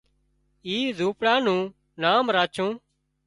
اي زونپڙا نُون نام راڇُون